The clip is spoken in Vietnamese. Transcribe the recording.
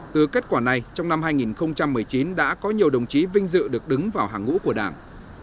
từ kết quả này trong năm hai nghìn một mươi chín đã có nhiều đồng chí vinh dự được đứng vào hàng ngũ của đảng